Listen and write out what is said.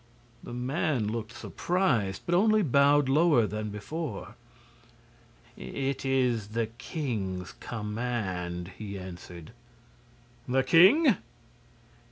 The man looked surprised, but only bowed lower than before. "It is the king's command," he answered. "The king?"